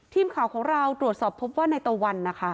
ทีมข่าวของเราตรวจสอบพบว่านายโตวัล